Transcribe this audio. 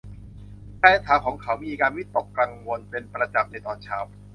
แฟนสาวของเขามีอาการวิตกกังวลเป็นประจำในตอนเช้า